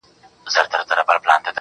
بابولاره وروره راسه تې لار باسه.